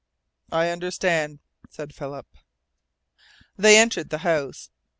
"I understand," said Philip. They entered the house.